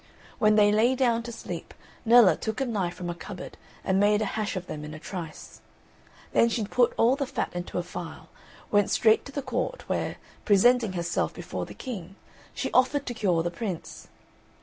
When they lay down to sleep Nella took a knife from a cupboard and made a hash of them in a trice. Then she put all the fat into a phial, went straight to the court, where, presenting herself before the King, she offered to cure the Prince.